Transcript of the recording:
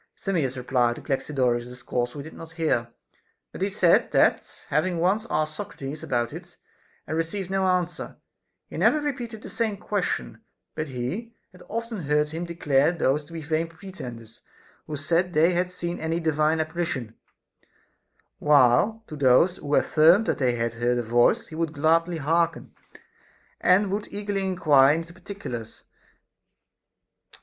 Simmias's reply to Galaxidorus's discourse we did not hear ; but he said that, having once asked Socrates about it and received no answer, he never repeated the same question ; but he 404 A DISCOURSE CONCERNING had often heard him declare those to be vain pretenders who said they had seen any divine apparition, while to those who affirmed that they heard a voice he would gladly hearken, and would eagerly enquire into the par ticulars.